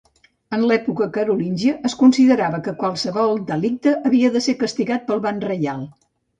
En l'època carolíngia, es considerava que qualsevol delicte havia d'ésser castigat pel ban reial.